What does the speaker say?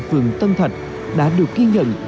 phường tân thạch đã được ghi nhận